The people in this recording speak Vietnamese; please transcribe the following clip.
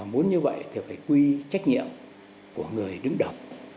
muốn như vậy thì phải quy trách nhiệm của người đứng đầu